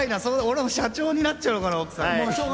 俺も奥さん、社長になっちゃうかな？